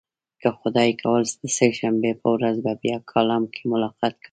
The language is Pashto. که خدای کول د سه شنبې په ورځ به بیا کالم کې ملاقات کوو.